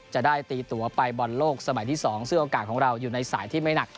จะได้ตีตัวไปบอลโลกสมัยที่๒ซึ่งโอกาสของเราอยู่ในสายที่ไม่หนัก